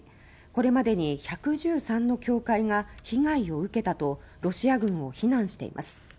これまでに１１３の教会が被害を受けたとロシア軍を非難しています。